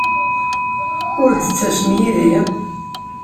Ur d-ttasem yid-i?